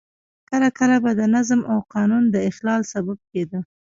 کله کله به د نظم او قانون د اخلال سبب کېده.